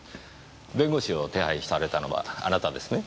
弁護士を手配されたのはあなたですね？